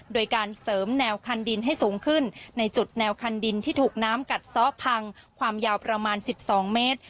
โดยการเสริมแนวคันดินให้สูงขึ้นในจุดแนวคันดินที่ถูกน้ำกัดซ้อพังความยาวประมาณ๑๒เมตร